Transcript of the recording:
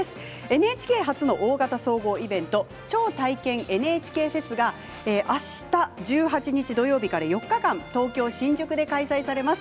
ＮＨＫ初の大型総合イベント超体験ＮＨＫフェスがあした１８日土曜日から４日間東京・新宿で開催されます。